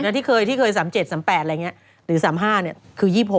แล้วก็ที่สุดที่เคย๓๗๓๘อะไรอย่างนี้หรือ๓๕คือ๒๖